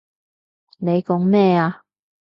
你講咩啊？